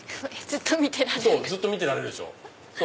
ずっと見てられるでしょ。